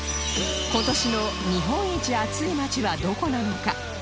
今年の日本一暑い街はどこなのか？